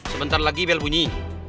sebentar lagi bel bunyi